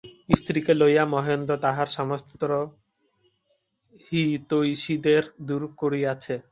স্ত্রীকে লইয়া মহেন্দ্র তাহার সমস্ত হিতৈষীদের দূর করিয়াছে।